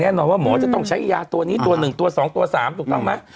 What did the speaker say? แน่นอนว่าหมอจะต้องใช้ไยตัวนี้ตัวหนึ่งตัวสองตัวสามถูกต้องไหม